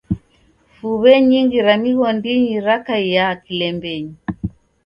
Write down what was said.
Fuw'e nyingi ra mighondinyi rakaia kilembenyi.